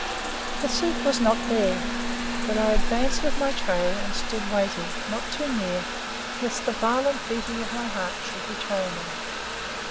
The soup was not there, but I advanced with my tray and stood waiting; not too near, lest the violent beating of my heart should betray me.